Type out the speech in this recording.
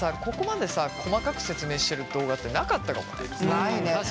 ここまでさ細かく説明してる動画ってなかったかもね。